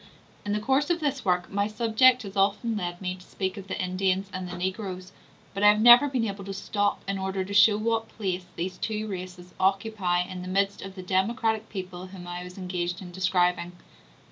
In the course of this work my subject has often led me to speak of the Indians and the Negroes; but I have never been able to stop in order to show what place these two races occupy in the midst of the democratic people whom I was engaged in describing.